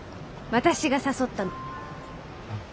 私が誘ったの。